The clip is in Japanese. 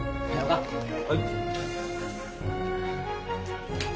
はい。